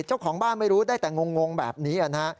เจ้าของบ้านไม่รู้ได้แต่งงแบบนี้นะฮะ